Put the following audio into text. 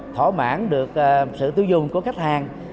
thỏa mãn được sự tiêu dùng của khách hàng